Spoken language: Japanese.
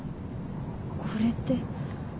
これって。